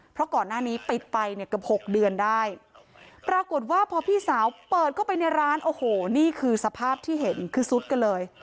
เพราะก่อนหน้านี้ปิดไปเนี่ยเกือบหกเดือนได้ปรากฏว่าพอพี่สาวเปิดเข้าไปในร้านโอ้โหนี่คือสภาพที่เห็นคือซุดกันเลย